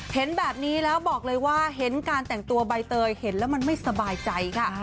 เห็นแบบนี้แล้วบอกเลยว่าเห็นการแต่งตัวใบเตยเห็นแล้วมันไม่สบายใจค่ะ